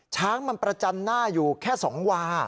ช้างมันประจันหน้าอยู่แค่๒วา